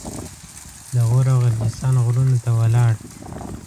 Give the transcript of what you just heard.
د غور او غرجستان غرونو ته ولاړ.